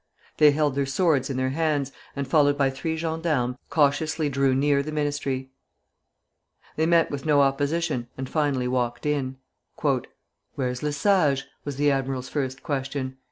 They held their swords in their hands, and, followed by three gendarmes, cautiously drew near the Ministry. They met with no opposition, and finally walked in. "Where's Le Sage?" was the admiral's first question.